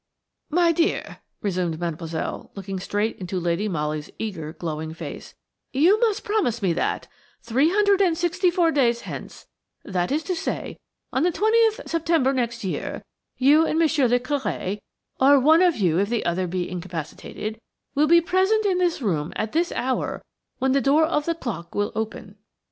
"My dear," resumed Mademoiselle, looking straight into Lady Molly's eager, glowing face, "you must promise me that, three hundred and sixty four days hence, that is to say on the 20th September next year, you and Monsieur le Curé–or one of you if the other be incapacitated–will be present in this room at this hour when the door of the clock will open.